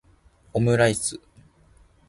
オムライス